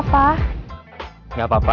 setengahnya dulu juga gak apa apa